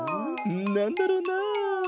なんだろうな？